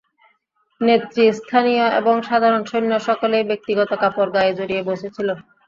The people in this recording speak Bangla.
নেতৃস্থানীয় এবং সাধারণ সৈন্য সকলেই ব্যক্তিগত কাপড় গায়ে জড়িয়ে বসে ছিল।